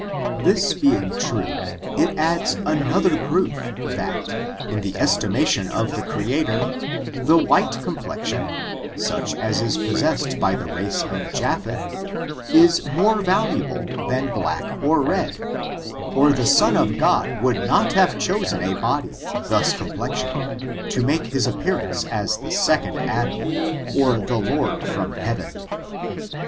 This being true, it adds another proof that, ia ibm estimation of the Creator, the white complexion, aach as is possessed by the race of Japbeth, ia mote valcH able than black or red, or the Son of God wo«ld not have chosen a body thus complexioned to make hi» appearance as the second Adam, or tfie Lord firem Heaven.